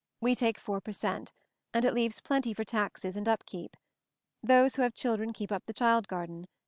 We take 4 per cent, and it leaves plenty for taxes and up keep. Those who have children keep up the child garden.